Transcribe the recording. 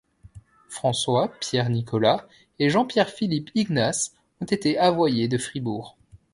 François Pierre Nicolas et Jean Pierre Philippe Ignace ont été avoyers de Fribourg.